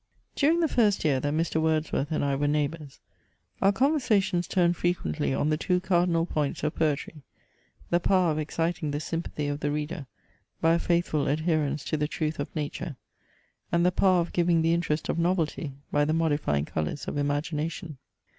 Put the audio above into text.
During the first year that Mr. Wordsworth and I were neighbours, our conversations turned frequently on the two cardinal points of poetry, the power of exciting the sympathy of the reader by a faithful adherence to the truth of nature, and the power of giving the interest of novelty by the modifying colours of imagination.